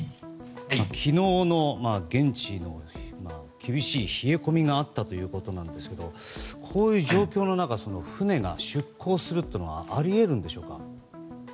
昨日の現地は厳しい冷え込みがあったということなんですけれどもこういう状況の中船が出航するというのはあり得るんでしょうか。